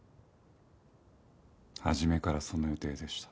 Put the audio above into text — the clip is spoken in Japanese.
初めからその予定でした。